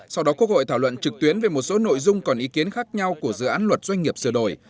sau đó quốc hội thảo luận trực tuyến về một số nội dung còn ý kiến khác nhau của dự án luật doanh nghiệp sửa đổi